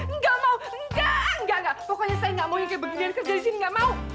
enggak mau enggak enggak pokoknya saya nggak mau yang kayak beginian kerja di sini gak mau